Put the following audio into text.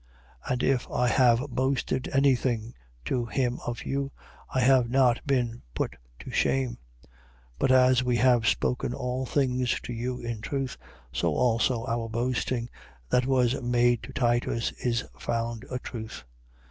7:14. And if I have boasted any thing to him of you, I have not been put to shame: but as we have spoken all things to you in truth, so also our boasting that was made to Titus is found a truth.